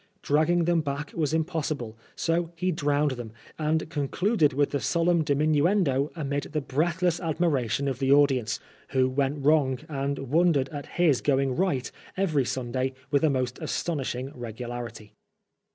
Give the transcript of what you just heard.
Dragging them back was impossible, so he drowned them, and concluded with the solemn diminuendo amid the breathless admi ration of the audience, who went wrong and wondered dX his going right every Sunday with the most astonish ing regularity.